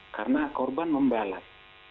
karena korban membalas